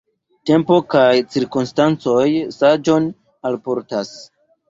Tempo kaj cirkonstancoj saĝon alportas.